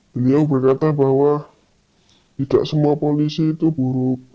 beliau berkata bahwa tidak semua polisi itu buruk